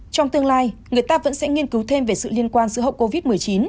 trong tương lai người ta vẫn sẽ nghiên cứu thêm về sự liên quan giữa hậu covid một mươi chín